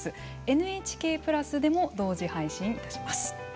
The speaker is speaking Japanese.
「ＮＨＫプラス」でも同時配信いたします。